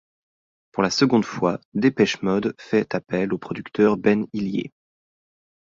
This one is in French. Pour la seconde fois, Depeche Mode a fait appel au producteur Ben Hillier.